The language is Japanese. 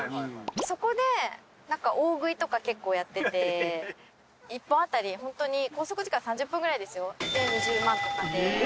そこで何か大食いとか結構やってて１本当たりホントに拘束時間３０分ぐらいですよで２０万とかでええ